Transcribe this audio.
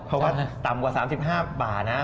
เพราะว่าต่ำกว่า๓๕บาทนะ